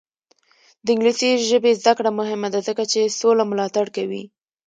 د انګلیسي ژبې زده کړه مهمه ده ځکه چې سوله ملاتړ کوي.